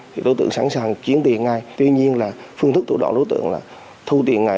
thì đối tượng sẵn sàng chiến tiền ngay tuy nhiên là phương thức thủ đoạn đối tượng là thu tiền ngay